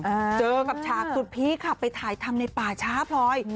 เจอกับฉากสุดพีคค่ะไปถ่ายทำในป่าช้าพลอย